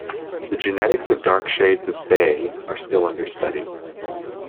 The genetics of dark shades of bay are still under study.